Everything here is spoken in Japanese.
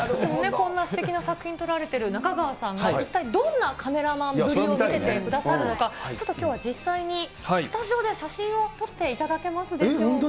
こんなすてきな作品を撮られてる中川さんが、一体どんなカメラマンぶりを見せてくださるのか、ちょっときょうは実際に、スタジオで写真を撮っていただけますでしょうか。